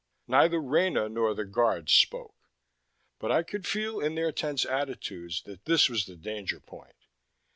Neither Rena nor the Guards spoke, but I could feel in their tense attitudes that this was the danger point.